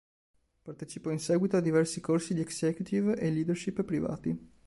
Partecipò in seguito a diversi corsi di executive e leadership privati.